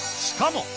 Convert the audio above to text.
しかも。